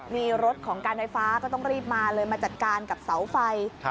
มีรถของการไฟฟ้าก็ต้องรีบมาเลยมาจัดการกับเสาไฟ